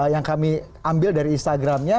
yang kami ambil dari instagramnya